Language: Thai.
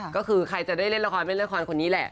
ก็คือใครจะได้เล่นละครเล่นละครคนนี้แหละ